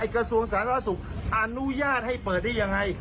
กระทรวงสาธารณสุขอนุญาตให้เปิดได้ยังไง